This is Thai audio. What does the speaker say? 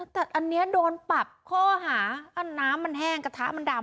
แต่อันนี้โดนปรับข้อหาน้ำมันแห้งกระทะมันดำ